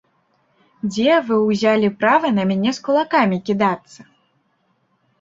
Дзе вы ўзялі права на мяне з кулакамі кідацца?